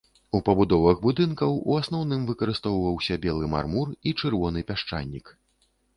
У пабудовах будынкаў у асноўным выкарыстоўваўся белы мармур і чырвоны пясчанік.